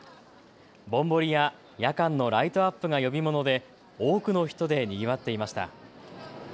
ぼんぼりや夜間のライトアップが呼び物で多くの人でにぎわっていました。